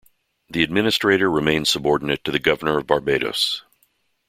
The administrator remained subordinate to the Governor of Barbados.